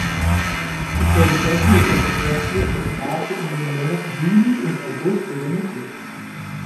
Infolgedessen ist der Verkehrsfluss der Straße in den Monaten Juli und August reglementiert.